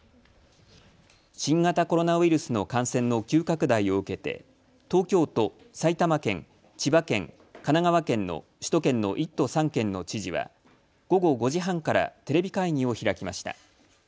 新型コロナウイルスの感染の急拡大を受けて東京都、埼玉県、千葉県、神奈川県の首都圏の１都３県の知事は午後５時半からテレビ会議を開きました。